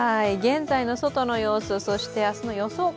現在の外の様子、そして明日の予想